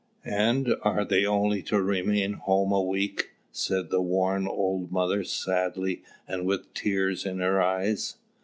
"And are they only to remain home a week?" said the worn old mother sadly and with tears in her eyes.